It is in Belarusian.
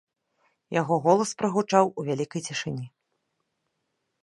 Яго голас прагучаў у вялікай цішыні.